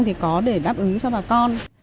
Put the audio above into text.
thì có để đáp ứng cho bà con